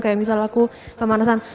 kayak misal aku pemanasan